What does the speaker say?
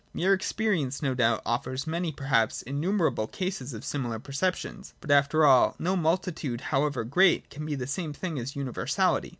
Mere experience no doubt offers many, perhaps innumerable cases of similar perceptions : but, after all, no multitude, however great, can be the same thing as universality.